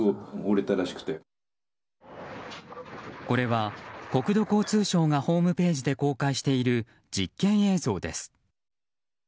これは、国土交通省がホームページで公開している実験映像です。